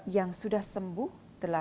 yang sudah sembuh